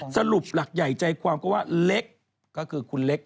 สรุปหลักใหญ่ใจความก็ว่าเล็กก็คือคุณเล็ก